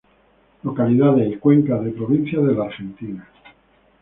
Localidades y cuencas de provincias de la Argentina.